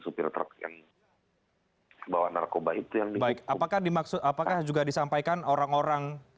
supir truk yang bawa narkoba itu yang baik apakah dimaksud apakah juga disampaikan orang orang